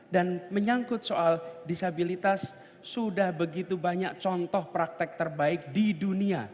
dan menyangkut soal disabilitas sudah begitu banyak contoh praktek terbaik di dunia